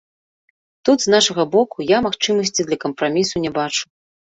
Тут з нашага боку я магчымасці для кампрамісу не бачу.